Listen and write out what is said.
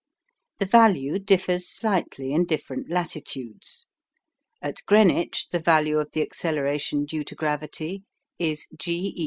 The value differs slightly in different latitudes. At Greenwich the value of the acceleration due to gravity is g=981.